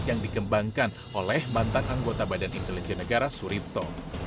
yang dikembangkan oleh mantan anggota badan intelijen negara suripto